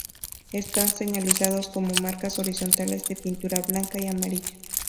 Están señalizados con marcas horizontales de pintura blanca y amarilla.